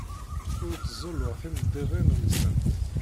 Ur ttzuluɣ timeddidin-nsent.